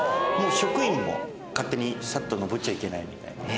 職員も勝手にさっと上っちゃいけないみたい。